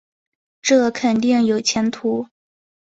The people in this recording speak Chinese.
这肯定有前途